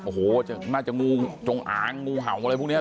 โอ้โหน่าจะงูจงอางงูเห่าอะไรพวกนี้